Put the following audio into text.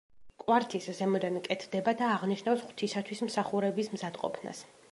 კვართის ზემოდან კეთდება და აღნიშნავს ღვთისათვის მსახურების მზადყოფნას.